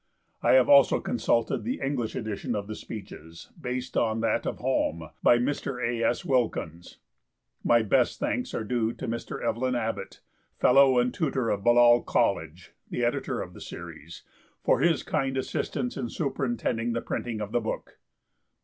I have also consulted the English edition of the Speeches, based on that of Halm, by Mr. A. S. Wilkins. My best thanks are due to Mr. Evelyn Abbott, Fellow and Tutor of Balliol College, the Editor of the Series, for his kind assistance in superintending the printing of the book.